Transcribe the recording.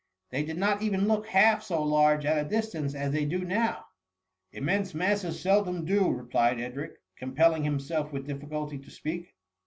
They did not even look half so large at a distance as they do now.'" '' Immense masses seldom do/" replied Edric ; compelling himself with difficulty to speak.